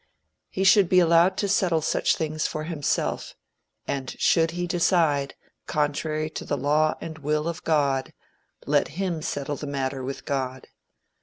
He should be allowed to settle such things for himself, and should he decide contrary to the law and will of God, let him settle the matter with God.